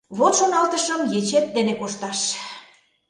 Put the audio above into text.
Вот, шоналтышым, ечет дене кошташ!